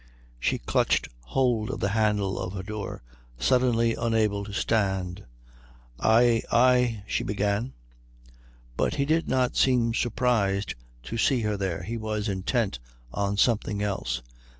She clutched hold of the handle of her door, suddenly unable to stand. "I I " she began. But he did not seem surprised to see her there; he was intent on something else.